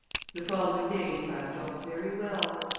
The following days passed off very well.